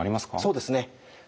そうですね。